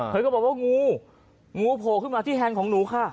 เธอก็บอกว่างูงูโผล่ขึ้นมาที่แฮนด์ของหนูค่ะ